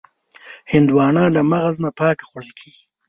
هندوانه له مغز نه پاکه خوړل کېږي.